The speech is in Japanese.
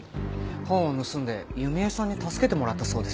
本を盗んで弓江さんに助けてもらったそうですね。